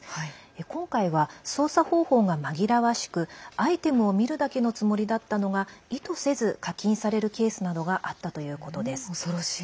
今回は操作方法が紛らわしくアイテムを見るだけのつもりだったのが意図せず課金されるケースなどがあったということです。